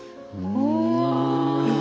うわ！